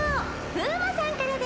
風磨さんからです。